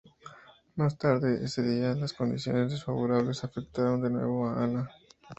Más tarde ese día, las condiciones desfavorables afectaron de nuevo a Ana.